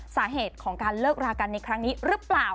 สาเหตุของการเลิกรากันในครั้งนี้หรือเปล่า